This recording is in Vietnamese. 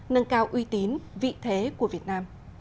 nâng cao uy tín vị thế của việt nam